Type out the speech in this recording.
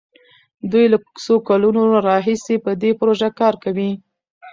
دوی له څو کلونو راهيسې په دې پروژه کار کوي.